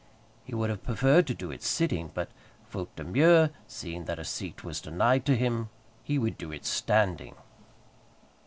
He would have preferred to do it sitting, but, faute de mieux, seeing that a seat was denied to him, he would do it standing.